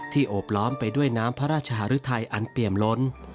โอบล้อมไปด้วยน้ำพระราชหรือไทยอันเปี่ยมล้น